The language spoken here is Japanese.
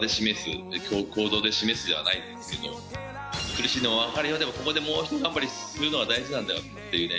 苦しいのはわかるよでもここでもうひと頑張りするのが大事なんだよっていうね